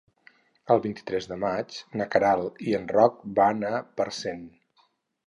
El vint-i-tres de maig na Queralt i en Roc van a Parcent.